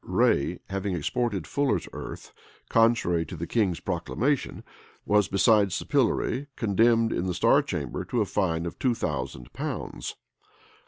Ray, having exported fuller's earth, contrary to the king's proclamation, was, besides the pillory, condemned in the star chamber to a fine of two thousand pounds.